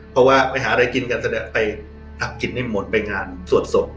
เพราะว่าไปหาอะไรกินกันแสดงไปพักกินให้หมดไปงานสวดศพ